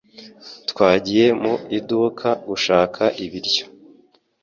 Twagiye mu iduka gushaka ibiryo.